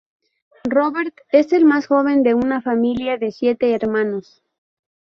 Robert es el más joven de una familia de siete hermanos.